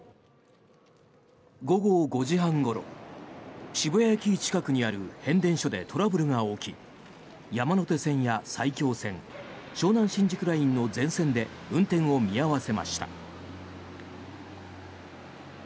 午後５時半ごろ渋谷駅近くにある変電所でトラブルが起き山手線や埼京線湘南新宿ラインの全線で運転を見合わせました。